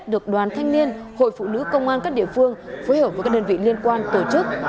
được đoàn thanh niên hội phụ nữ công an các địa phương phối hợp với các đơn vị liên quan tổ chức